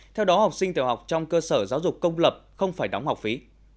theo đó học sinh tiểu học trong cơ sở giáo dục công lập không phải đóng học phí